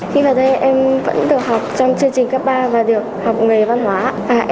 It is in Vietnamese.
khi vào đây em vẫn được học trong chương trình cấp ba và được học nghề văn hóa